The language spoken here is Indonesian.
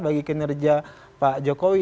bagi kinerja pak jokowi